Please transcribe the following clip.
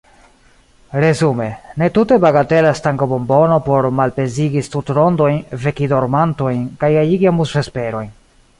Resume: ne tute bagatela stangobombono por malpezigi studrondojn, veki dormantojn kaj gajigi amuzvesperojn.